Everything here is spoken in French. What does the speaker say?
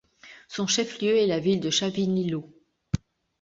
Son chef-lieu est la ville de Chavinillo.